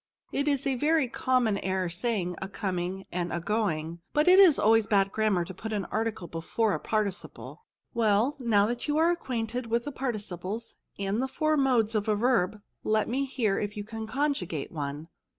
It is a very common error to say a coming and a going ^ but it is always bad grammar to put an article before a participle. Well, now that you are acquainted with the participles and the four modes of a verb, let me hear if you can conjugate one."